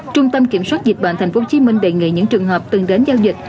trung tâm kiểm soát dịch bệnh tp hcm đề nghị những trường hợp từng đến giao dịch